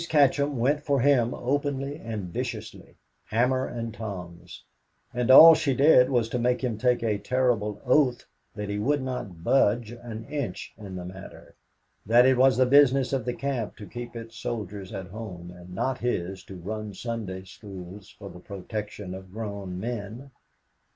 Katcham went for him openly and viciously, hammer and tongs; and all she did was to make him take a terrible oath that he would not budge an inch in the matter; that it was the business of the camp to keep its soldiers at home, and not his to run Sunday schools for the protection of grown men.